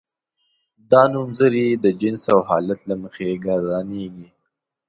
دا نومځري د جنس او حالت له مخې ګردانیږي.